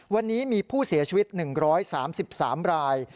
วันนี้มีผู้เสียชีวิต๑๓๓ราย